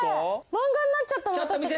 漫画になっちゃった私たち。